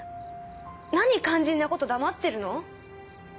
なに肝心なこと黙ってるの？